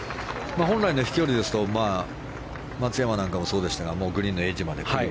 本来の飛距離ですと松山なんかもそうでしたがグリーンのエッジまで。